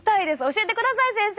教えてください先生！